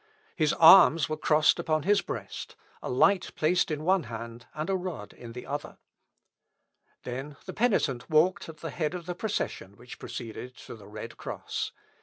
His arms were crossed upon his breast, a light placed in one hand, and a rod in the other. Then the penitent walked at the head of the procession which proceeded to the red cross.